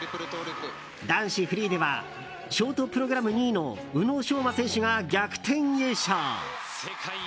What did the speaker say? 男子フリーではショートプログラム２位の宇野昌磨選手が逆転優勝。